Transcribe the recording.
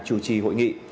chủ trì hội nghị